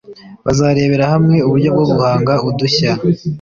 Bazarebera hamwe uburyo bwo guhanga udushya